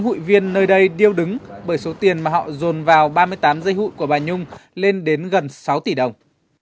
hụi viên nơi đây điêu đứng bởi số tiền mà họ dồn vào ba mươi tám dây hụi của bà nhung lên đến gần sáu tỷ đồng